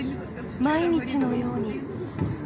毎日のように。